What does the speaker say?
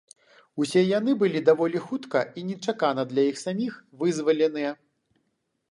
Усе яны былі даволі хутка і нечакана для іх саміх вызваленыя.